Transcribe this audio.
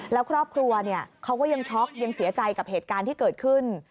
แล้วครอบครัวเขาก็ยังช็อกยังเสียใจกับเหตุการณ์ที่เกิดขึ้น